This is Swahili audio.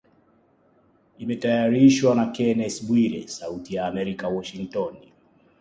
Imetayarishwa na Kennes Bwire sauti ya Amerika Washington